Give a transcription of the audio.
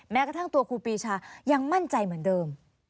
แม้กระทั่งตัวครูปีชายังมั่นใจเหมือนเดิม